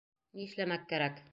Ни эшләмәк кәрәк.